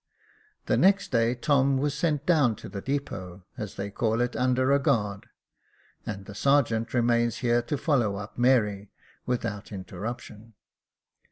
The next day Tom was sent down to the depot, as they call it, under a guard ; and the sergeant remains here to follow up Mary, without interruption.